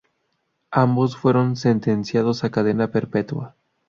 Ambos fueron sentenciados a cadena perpetua.